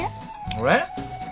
俺？